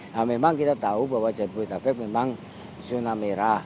nah memang kita tahu bahwa jabodetabek memang zona merah